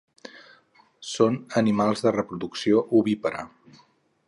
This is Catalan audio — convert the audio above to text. Són animals de reproducció ovípara.